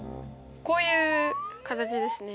こういう形ですね。